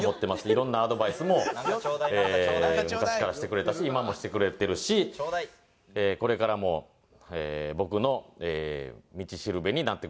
色んなアドバイスも昔からしてくれたし今もしてくれてるしこれからも僕の道しるべになってください。